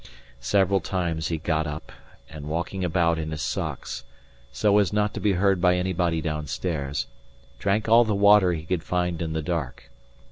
Several times he got up, and walking about in his socks, so as not to be heard by anybody downstairs, drank all the water he could find in the dark.